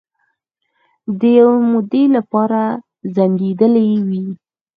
د یوې مودې لپاره ځنډیدېلې وې